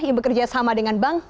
yang bekerja sama dengan bank